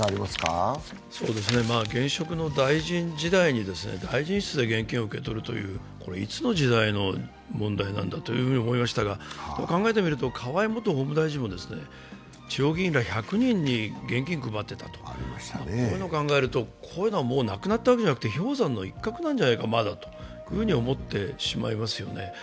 現職の大臣時代に大臣室で現金を受け取るというこれはいつの時代の問題なんだと思いましたが、考えてみると河合元法務大臣も地方議員ら１００人に現金を配ってたとか、こういうのを考えると、こういうのはなくなったのではなく氷山の一角なのではないかと考えてしまいますよね。